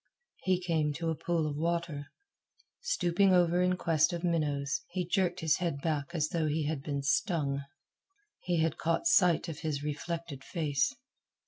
He came to a pool of water. Stooping over in quest of minnows, he jerked his head back as though he had been stung. He had caught sight of his reflected face.